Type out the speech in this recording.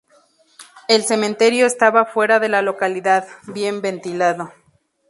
El cementerio estaba fuera de la localidad, bien ventilado.